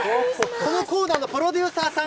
このコーナーのプロデューサーさん。